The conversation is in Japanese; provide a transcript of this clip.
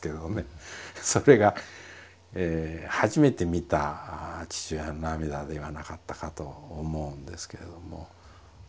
それが初めて見た父親の涙ではなかったかと思うんですけれども。